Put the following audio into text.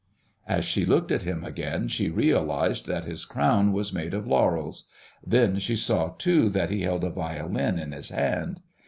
As she looked at him again she realized that his crown was made of laurels; then she saw too that he held a violin in his hand.